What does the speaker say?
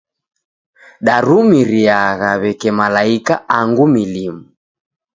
Darumiriagha w'eke malaika angu milimu.